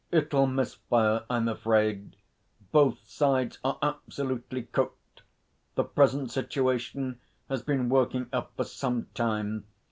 'It'll miss fire, I'm afraid. Both sides are absolutely cooked. The present situation has been working up for some time.